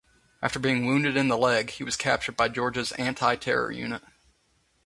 After being wounded in the leg, he was captured by Georgia's anti-terror unit.